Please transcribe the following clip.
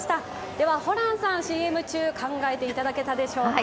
ではホランさん、ＣＭ中考えていただけたでしょうか。